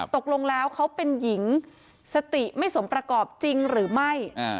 ตกลงแล้วเขาเป็นหญิงสติไม่สมประกอบจริงหรือไม่